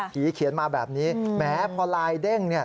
เขียนมาแบบนี้แหมพอลายเด้ง